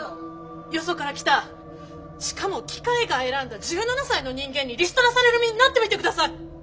よそから来たしかも機械が選んだ１７才の人間にリストラされる身になってみてください！